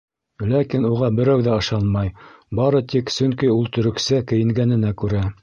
Ләкин уға берәү ҙә ышанмай, бары тик сөнки ул төрөксә кейенгәненә күрә.